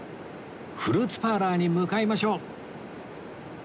フルーツパーラーに向かいましょう